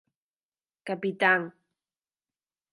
Capitán